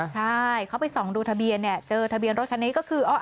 ใช่เขาไปส่องดูทะเบียนเนี่ยเจอทะเบียนรถคันนี้ก็คือ